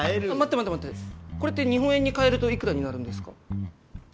待って待ってこれって日本円に換えるといくらになるんですか？